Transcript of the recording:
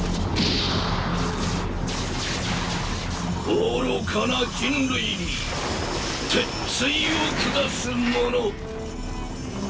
愚かな人類に鉄ついを下す者！